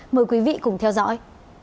mời quý vị cùng theo dõi